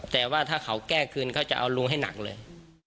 แต่ว่าถ้าเขาแก้คืนเขาจะเอาลุงให้หนักเลย